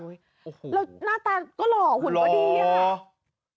แล้วหน้าตาก็หรอหุ่นตัวดี